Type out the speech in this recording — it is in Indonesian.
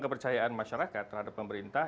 kepercayaan masyarakat terhadap pemerintah